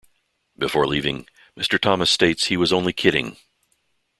Before leaving, Mr. Thomas states He was only kidding.